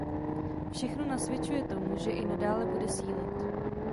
Všechno nasvědčuje tomu, že i nadále bude sílit.